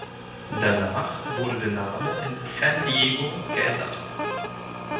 Danach wurde der Name in "San Diego" geändert.